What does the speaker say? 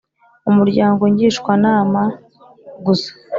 umuryango ngishwagishwa nama gusa